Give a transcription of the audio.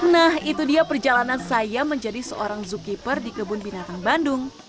nah itu dia perjalanan saya menjadi seorang zookeeper di kebun binatang bandung